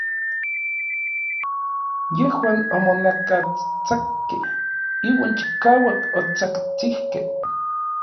Yejuan omonakastsakkej iuan chikauak otsajtsikej.